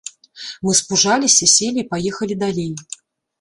Мы спужаліся, селі і паехалі далей.